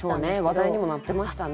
話題にもなってましたね。